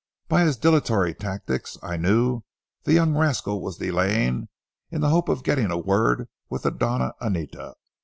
By his dilatory tactics, I knew the young rascal was delaying in the hope of getting a word with the Doña Anita.